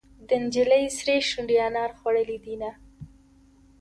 د نجلۍ سرې شونډې انار خوړلې دينهه.